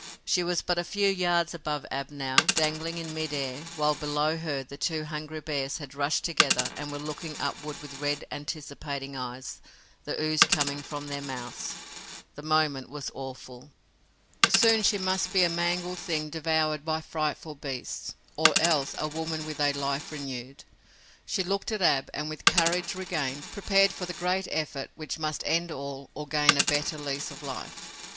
She was but a few yards above Ab now, dangling in mid air, while, below her, the two hungry bears had rushed together and were looking upward with red, anticipating eyes, the ooze coming from their mouths. The moment was awful. Soon she must be a mangled thing devoured by frightful beasts, or else a woman with a life renewed. She looked at Ab, and, with courage regained, prepared for the great effort which must end all or gain a better lease of life.